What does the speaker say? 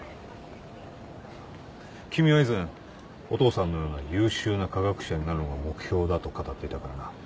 君は以前お父さんのような優秀な科学者になるのが目標だと語っていたからな。